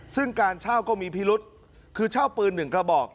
ซึ่งการเช่าก็มีพิรุษคือเช่าปืน๑กระบอก